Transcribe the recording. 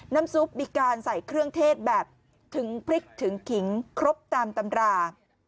น้ำซุปมีการใส่เครื่องเทศแบบถึงพริกถึงขิงครบตามตำรา